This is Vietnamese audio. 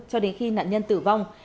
cho đến khi nạn nhân tử vong